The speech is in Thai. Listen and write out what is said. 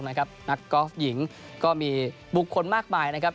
นักกอล์ฟหญิงก็มีบุคคลมากมายนะครับ